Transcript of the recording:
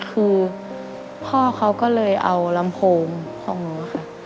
คือพ่อเขาก็เลยเอาลำโพงของหนูค่ะ